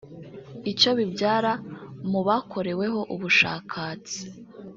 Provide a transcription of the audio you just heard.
Icyo bibyara mu bakoreweho ubushakatsi